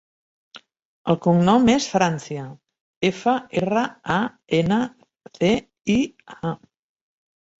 El cognom és Francia: efa, erra, a, ena, ce, i, a.